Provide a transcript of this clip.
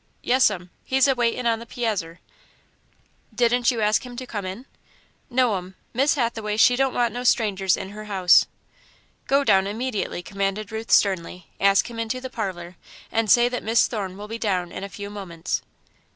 "Yes'm. He's a waitin' on the piazzer." "Didn't you ask him to come in?" "No'm. Miss Hathaway, she don't want no strangers in her house." "Go down immediately," commanded Ruth, sternly, "ask him into the parlour, and say that Miss Thorne will be down in a few moments."